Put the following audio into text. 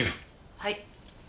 はい。